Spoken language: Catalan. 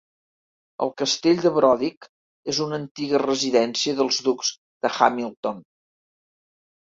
El castell de Brodick és una antiga residència dels ducs de Hamilton.